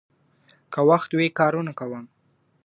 که وخت وي، کارونه کوم،